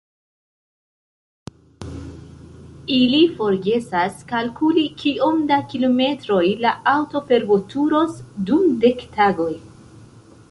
Ili forgesas kalkuli kiom da kilometroj la aŭto forveturos dum dek tagoj.